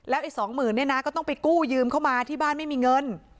แล้วไอ้๒๐๐๐๐นี่นะก็ต้องไปกู้ยืมเขามาที่บ้านไม่มีเงิน